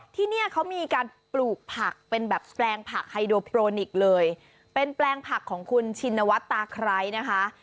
ที่เนี่ยเขามีการปลูกผักเป็นแบบแปลงผักไฮโดโปรนิกเลยเป็นแปลงผักของคุณชินวัฒน์ตาไคร้นะคะ